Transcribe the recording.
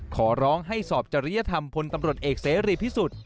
ขอร้องให้สอบจริยธรรมพลตำรวจเอกเสรีพิสุทธิ์